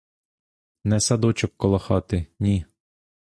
Не садочок коло хати, ні.